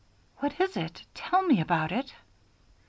"What is it? Tell me about it."